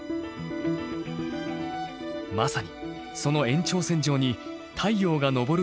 まさにその延長線上に太陽が昇る日があるという。